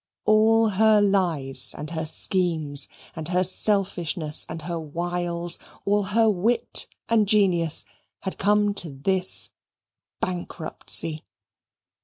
All her lies and her schemes, and her selfishness and her wiles, all her wit and genius had come to this bankruptcy.